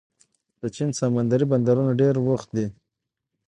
د چین سمندري بندرونه ډېر بوخت دي.